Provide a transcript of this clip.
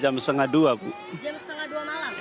jam setengah dua malam